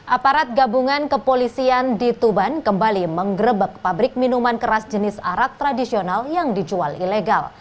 aparat gabungan kepolisian di tuban kembali menggrebek pabrik minuman keras jenis arak tradisional yang dijual ilegal